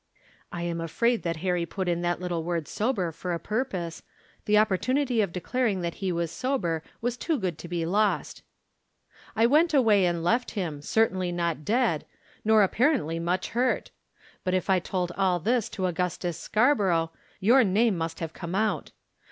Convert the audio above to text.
I am afraid that Harry put in that little word sober for a purpose. The opportunity of declaring that he was sober was too good too be lost. "I went away and left him, certainly not dead, nor apparently much hurt. But if I told all this to Augustus Scarborough, your name must have come out.